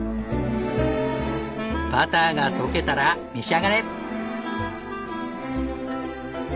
バターが溶けたら召し上がれ。